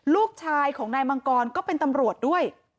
ลูกชายของนายมังกรก็เป็นตำรวจด้วย